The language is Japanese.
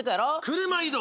車移動。